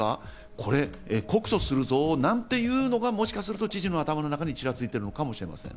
俺、告訴するぞなんていうのが、もしかすると知事の頭の中にちらついているのかもしれません。